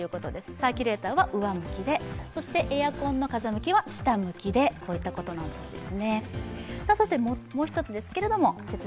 サーキュレーターは上向きで、そしてエアコンの風向きは下向きでということなんです。